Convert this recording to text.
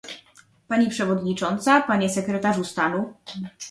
Pani przewodnicząca, panie sekretarzu stanu